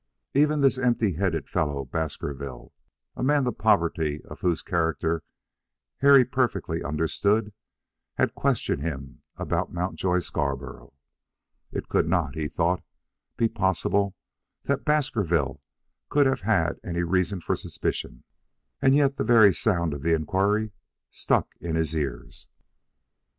Even this empty headed fellow Baskerville, a man the poverty of whose character Harry perfectly understood, had questioned him about Mountjoy Scarborough. It could not, he thought, be possible that Baskerville could have had any reasons for suspicion, and yet the very sound of the inquiry stuck in his ears.